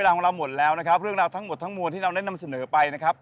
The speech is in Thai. ของเราหมดแล้วนะครับเรื่องราวทั้งหมดทั้งมวลที่เราได้นำเสนอไปนะครับ